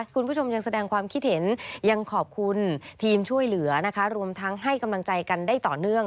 คุณผู้ชมยังแสดงความคิดเห็นยังขอบคุณทีมช่วยเหลือนะคะรวมทั้งให้กำลังใจกันได้ต่อเนื่อง